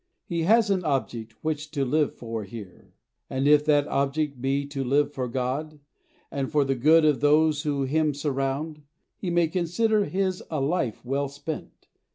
He has an object which to live for here; And if that object be to live for God, And for the good of those who him surround, He may consider his a life well spent.